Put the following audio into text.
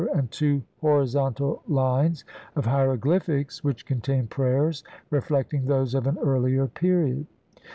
and two horizontal lines of hieroglyphics which contain prayers reflecting those of an earlier period.